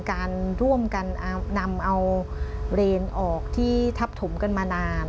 การร่วมกันนำเอาเรนออกที่ทับถมกันมานาน